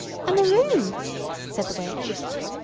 "A maroon," said the witch.